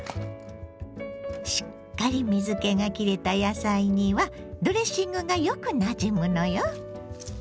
しっかり水けがきれた野菜にはドレッシングがよくなじむのよ。